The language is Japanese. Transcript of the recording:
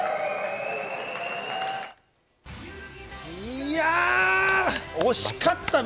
いや、惜しかった！